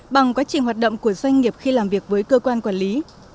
bằng quá trình hoạt động của doanh nghiệp khi làm việc với cơ quan quản lý